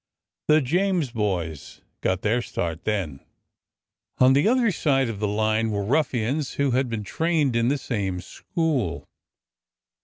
The James boys got their start then. On the other side of the line were ruffians who had been trained in the same school.